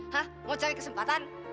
hah mau cari kesempatan